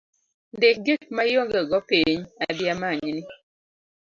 Ndik gik maionge go piny , adhi amanyni